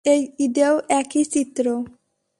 এই ঈদেও একই চিত্র।